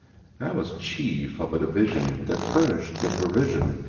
I was chief ob a division Dat furnished de pervision.